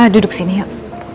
duduk sini yuk